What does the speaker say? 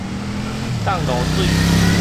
凍露水